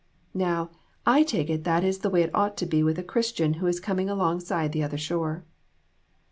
Now, I take it that is the way it ought to be with a Christian who is coming alongside the other shore."